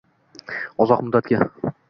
Uzoq muddatga